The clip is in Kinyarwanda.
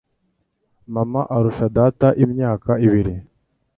Mama arusha data imyaka ibiri.